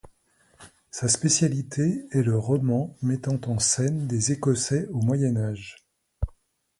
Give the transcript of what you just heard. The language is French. Sa spécialité est le roman mettant en scène des écossais au Moyen Âge.